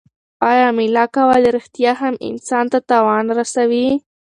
آیا مېله کول رښتیا هم انسان ته تاوان رسوي؟